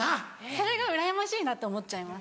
それがうらやましいなと思っちゃいます。